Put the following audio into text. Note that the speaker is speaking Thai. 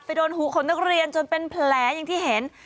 โดนหูของนักเรียนจนเป็นแผลอย่างที่เห็น